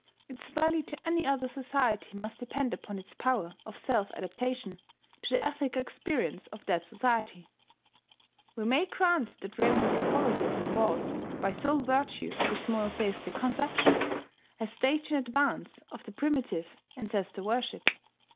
Its value to any other society must depend upon its power of self adaptation to the ethical experience of that society. We may grant that Roman Catholicism was, by sole virtue of its monotheistic conception, a stage in advance of the primitive ancestor worship.